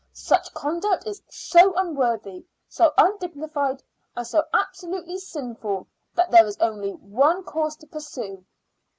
Such conduct is so unworthy, so undignified, and so absolutely sinful that there is only one course to pursue.